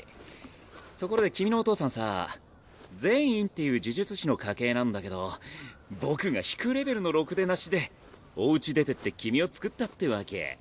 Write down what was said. ところで君のお父さんさ禪院っていう呪術師の家系なんだけど僕がひくレベルのろくでなしでおうち出てって君をつくったってわけ。